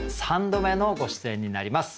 ３度目のご出演になります。